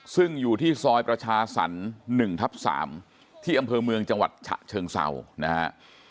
ซึ่งอยู่ที่ซอยประชาสรรค์๑ทับ๓ที่อำเภอเมืองจังหวัดฉะเชิงเศร้านะฮะ